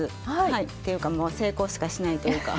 はいていうかもう成功しかしないというか。